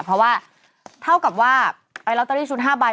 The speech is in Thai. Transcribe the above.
เพราะว่าเท่ากับว่าลอตเตอรี่ชุด๕ใบ